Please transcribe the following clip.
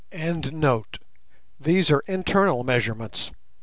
These are internal measurements.